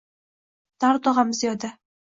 Dardu g’ami — ziyoda